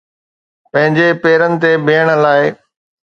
پنهنجي پيرن تي بيهڻ لاءِ